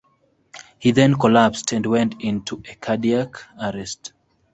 He then collapsed and went into a cardiac arrest.